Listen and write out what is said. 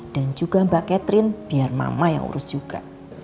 dan juga mbak catherine biar mama yang urus juga